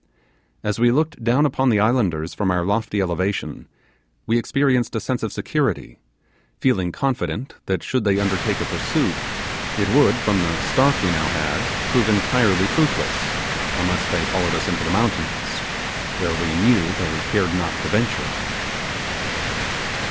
As we looked down upon the islanders from our lofty elevation, we experienced a sense of security; feeling confident that, should they undertake a pursuit, it would, from the start we now had, prove entirely fruitless, unless they followed us into the mountains, where we knew they cared not to venture.